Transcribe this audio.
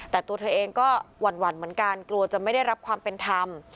แต่ตัวเธอเองก็หวั่นเหมือนกันกลัวจะไม่ได้รับความเป็นธรรม